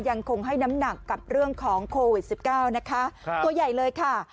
ยังคงให้น้ำหนักกับเรื่องของโควิด๑๙นะคะตัวใหญ่เลยค่ะ